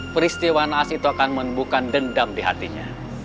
peristiwa naas itu akan menimbulkan dendam di hatinya